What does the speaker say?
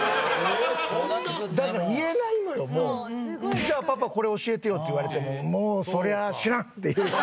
「じゃあパパこれ教えてよ」って言われてももうそりゃ「知らん」って言うしか。